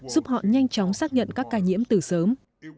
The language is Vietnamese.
giúp họ nhanh chóng xác nhận các ca nhiễm từ sớm